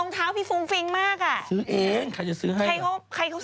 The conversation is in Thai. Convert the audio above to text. ทานมาเปิดตัวหรือไม่รู้